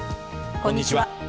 こんにちは。